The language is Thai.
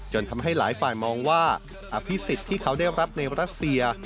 ทำให้หลายฝ่ายมองว่าอภิษฎที่เขาได้รับในรัสเซีย